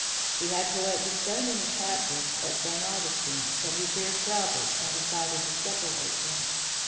He had collected so many captives at St. Augustine that he feared trouble and decided to separate them.